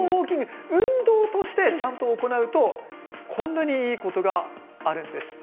運動としてちゃんと行うとこんなにいいことがあるんです。